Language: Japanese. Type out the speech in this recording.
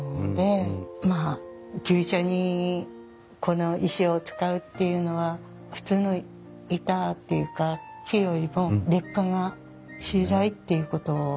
まあ牛舎にこの石を使うっていうのは普通の板っていうか木よりも劣化がしづらいっていうことだと思うんですけれども。